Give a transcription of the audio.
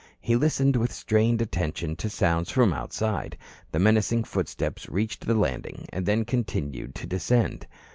He listened with strained attention to sounds from outside. The menacing footsteps reached the landing, and then continued to descend.